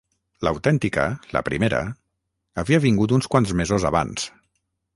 L'autèntica, la primera, havia vingut uns quants mesos abans.